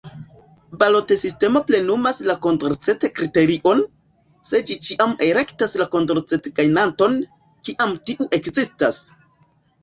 Balotsistemo plenumas la Kondorcet-kriterion, se ĝi ĉiam elektas la Kondorcet-gajninton, kiam tiu ekzistas.